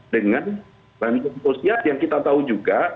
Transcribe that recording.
dengan bantuan sosial yang kita tahu juga